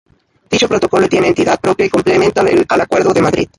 Dicho protocolo tiene entidad propia y complementa al acuerdo de Madrid.